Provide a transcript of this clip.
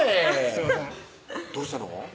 すいませんどうしたの？